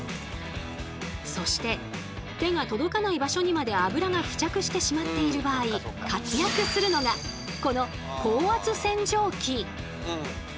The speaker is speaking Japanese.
そして手が届かない場所にまであぶらが付着してしまっている場合活躍するのがこの高圧洗浄機！